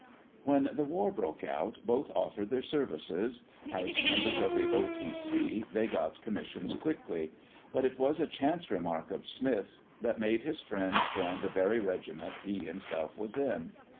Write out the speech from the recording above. When the war broke out both offered their services; as members of the O.T.C., they got commissions quickly; but it was a chance remark of Smith's that made his friend join the very regiment he himself was in.